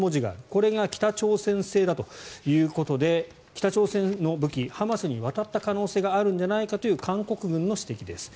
これが北朝鮮製だということで北朝鮮の武器がハマスに渡った可能性があるんじゃないかという韓国軍の指摘です。